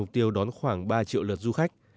mục tiêu đón khoảng ba triệu lượt du khách